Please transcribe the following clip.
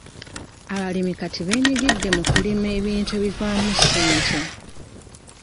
Abalimi kati beenyigidde mu kulima ebintu ebivaamu ssente.